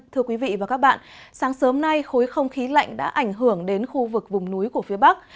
thưa quý vị và các bạn sáng sớm nay khối không khí lạnh đã ảnh hưởng đến khu vực vùng núi của phía bắc